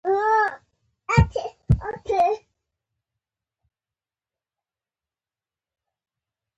ستا څخه د ښامار نخښه شته؟